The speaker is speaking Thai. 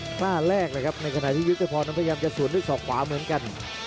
หน้าแรกเลยครับในขณะที่ยุทธพรนั้นพยายามจะสวนด้วยศอกขวาเหมือนกัน